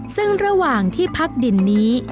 ซึ่งระหว่างที่พักดินนี้